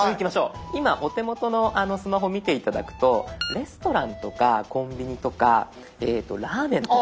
今お手元のスマホ見て頂くとレストランとかコンビニとかラーメンとか。